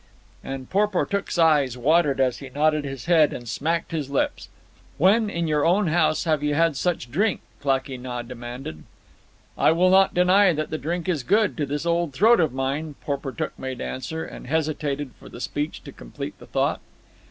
And Porportuk's eyes watered as he nodded his head and smacked his lips. "When, in your own house, have you had such drink?" Klakee Nah demanded. "I will not deny that the drink is good to this old throat of mine," Porportuk made answer, and hesitated for the speech to complete the thought.